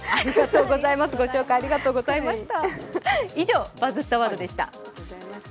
ご紹介ありがとうございました。